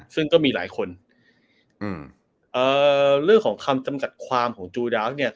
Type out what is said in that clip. ซึ่งก็มีหลายคนอืมเอ่อเรื่องของคำจำกัดความของจูดาฟเนี่ย